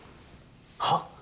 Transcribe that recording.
はっ？